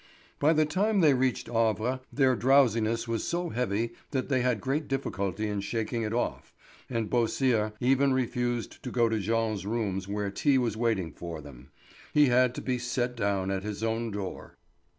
By the time they reached Havre their drowsiness was so heavy that they had great difficulty in shaking it off, and Beausire even refused to go to Jean's rooms where tea was waiting for them. He had to be set down at his own door.